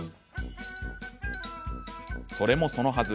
それもそのはず